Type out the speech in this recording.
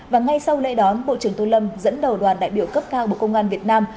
và ngay sau lễ đón bộ trưởng tô lâm dẫn đầu đoàn đại biểu cấp cao bộ công an việt nam